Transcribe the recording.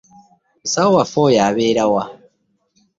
Musawo waffe oyo abeera wa?